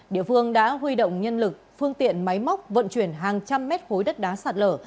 địa phương đã huy động nhân lực phương tiện máy móc vận chuyển hàng trăm mét khối đất đá sạt lở